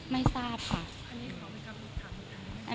ไม่ทราบค่ะ